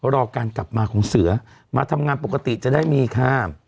รอการกลับมาของเสือมาทำงานปกติจะได้มีค่า